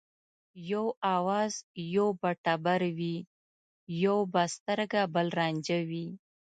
یو آواز یو به ټبر وي یو به سترګه بل رانجه وي